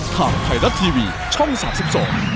ทาวน์ไทราทีวีช่องศัพท์สุด